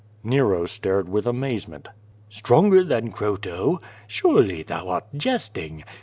Xero stared with amazement. "Stronger than Croto? Surely thou art jesting.